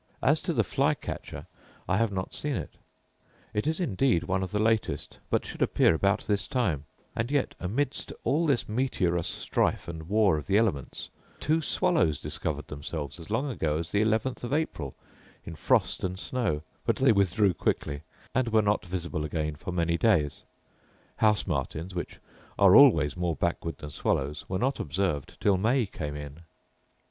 As to the fly catcher, I have not seen it; it is indeed one of the latest, but should appear about this time: and yet, amidst all this meteorous strife and war of the elements, two swallows discovered themselves as long ago as the eleventh of April, in frost and snow; but they withdrew quickly, and were not visible again for many days. House martins, which are always more backward than swallows, were not observed till May came in.